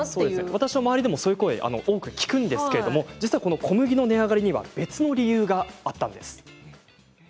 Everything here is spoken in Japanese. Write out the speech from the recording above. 私の周りでもそういう声を聞くんですが実は小麦の値上がりには別の理由があったんです。